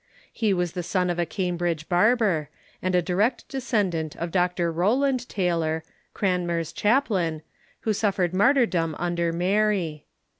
He was the son of a Cambridge barber, and a direct descendant of Dr. Rowland Taylor, Cranmer's chaplain, who suffered martyrdom under Mary.